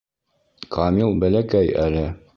Камил бәләкәй әле.